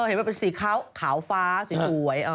เห็นไหมสีขาวฟ้าสีสวย